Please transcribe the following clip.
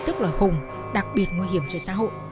tức là hùng đặc biệt nguy hiểm cho xã hội